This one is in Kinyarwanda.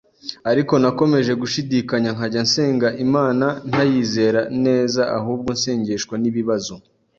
Ariko nakomeje gushidikanya, nkajya nsenga Imana ntayizera neza ahubwo nsengeshwa n’ibibazo.